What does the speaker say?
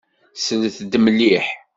Slet-d mliḥ.